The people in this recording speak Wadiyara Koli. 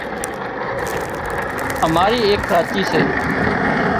اماري ايڪ ڪاچي سي